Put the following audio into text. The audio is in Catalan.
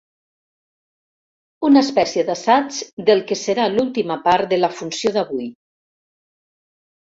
Una espècie d'assaig del que serà l'última part de la funció d'avui.